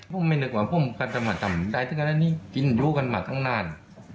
ผมไม่นึกว่าผมก็จะมาทำใจถึงขนาดนี้กินดูกันมาตั้งนาน